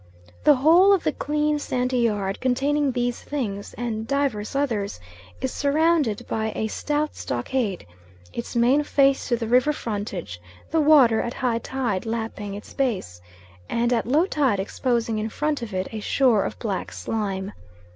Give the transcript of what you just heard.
The whole of the clean, sandy yard containing these things, and divers others, is surrounded by a stout stockade, its main face to the river frontage, the water at high tide lapping its base, and at low tide exposing in front of it a shore of black slime.